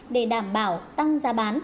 để đảm bảo tăng giá bán